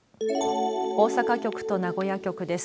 大阪局と名古屋局です。